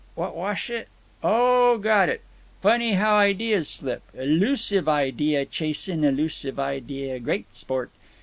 what wash it? Oh, got it! Funny how ideas slip. Elusive idea—chasin' elusive idea—great sport.